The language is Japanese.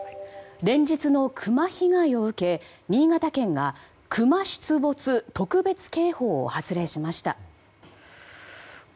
連日にクマ被害を受け新潟県がクマ出没特別警報を発令しました。